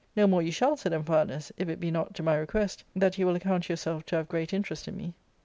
"No more you shall," said Amphialus, " if it be not to my request, that you will account yourself to have great interest in me.